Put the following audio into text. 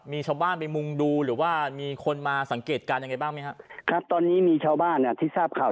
มีชาวบ้านไปมุงดูหรือว่ามีคนมาสังเกตการณ์ยังไงบ้างไหมครับครับตอนนี้มีชาวบ้านอ่ะที่ทราบข่าว